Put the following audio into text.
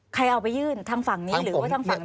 ใครเอาไปยื่นทางฝั่งนี้หรือว่าทางฝั่ง